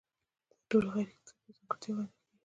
دا ټولې غیر اکتسابي ځانګړتیاوې ګڼل کیږي.